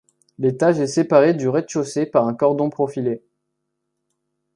L'étage est séparé du rez-de-chaussée par un cordon profilé.